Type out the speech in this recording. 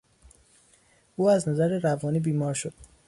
او از نظر روانی بیمار شد.